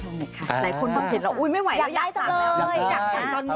หลายคนคำเท็จแล้วอุ๊ยไม่ไหวแล้วยากถามเลย